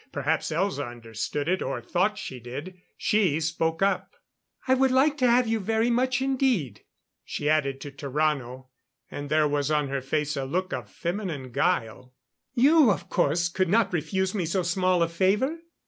Perhaps Elza understood it, or thought she did. She spoke up. "I would like to have you very much, indeed." She added to Tarrano, and there was on her face a look of feminine guile: "You, of course, could not refuse me so small a favor?